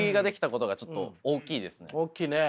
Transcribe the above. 大きいね